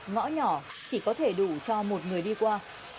ngõ nhỏ chỉ có thể đủ cho một người đi qua